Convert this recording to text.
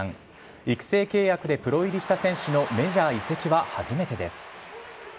育成契約でプロ入りした選手のメジャー移籍は初めてです。